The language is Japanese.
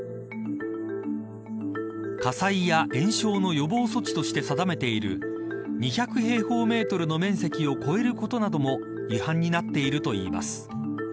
火災や延焼の予防措置として定めている２００平方メートルの面積を超えることなども違反になっているといいます。